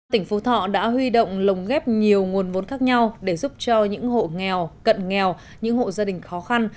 tỉnh phú thọ đã huy động lồng ghép nhiều nguồn vốn khác nhau để giúp cho những hộ nghèo cận nghèo những hộ gia đình khó khăn